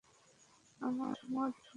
আমরা মোট বার ভাই।